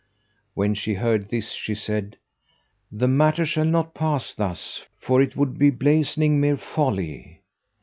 When she heard this, she said, "The matter shall not pass thus, for 'twould be blazoning mere folly.